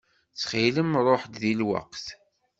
Ttxil-m ṛuḥ-d di lweqt.